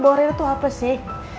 boleh itu apa sih